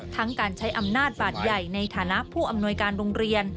การใช้อำนาจบาดใหญ่ในฐานะผู้อำนวยการโรงเรียน